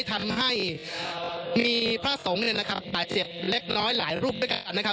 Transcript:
ทำให้มีพระสงฆ์แต่เสียบเล็กน้อยหลายรูปด้วยกัน